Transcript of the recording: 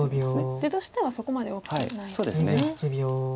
地としてはそこまで大きくないんですね。